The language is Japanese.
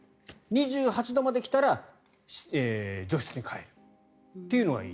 ２８度まで来たら除湿に変えるというのがいい？